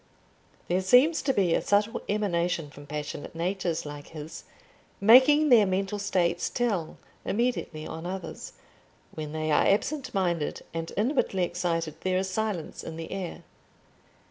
There seems to be a subtle emanation from passionate natures like his, making their mental states tell immediately on others; when they are absent minded and inwardly excited there is silence in the air.